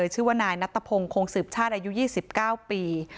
ชื่อว่านายนัตตะพงศ์คงสืบชาติอายุ๒๙ปี